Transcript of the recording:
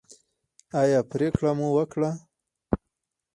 ایا پریکړه مو وکړه؟